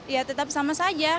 ya tetap sama saja